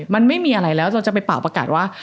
มันไม่มีอะไรแล้วเราจะไปเป่าประกาศว่า